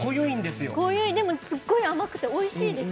でも、甘くておいしいです。